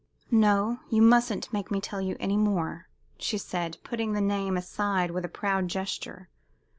"No, you mustn't make me tell you any more," she said, putting the name aside with a proud gesture.